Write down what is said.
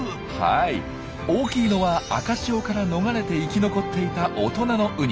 大きいのは赤潮から逃れて生き残っていたおとなのウニ。